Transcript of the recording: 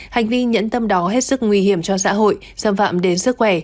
hành vi nhẫn tâm đó hết sức nguy hiểm cho xã hội xâm phạm đến sức khỏe